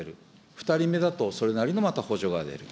２人目だとそれなりのまた補助が出る。